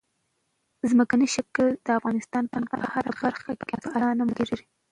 ځمکنی شکل د افغانستان په هره برخه کې په اسانۍ موندل کېږي.